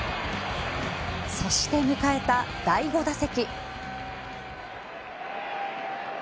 そして迎えた第５打席。